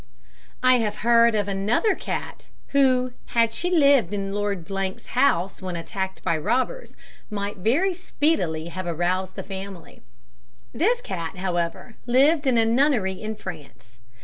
I have heard of another cat, who, had she lived in Lord 's house when attacked by robbers, might very speedily have aroused the family. This cat, however, lived in a nunnery in France.